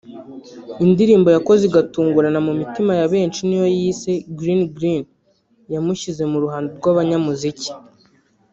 Indirimbo yakoze igatungurana mu mitima ya benshi ni iyo yise ‘Green-Green’ yamushyize mu ruhando rw’abanyamuziki